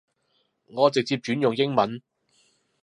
我直接轉用英文